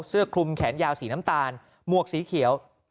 เสื้อคลุมแขนยาวสีน้ำตาลหมวกสีเขียว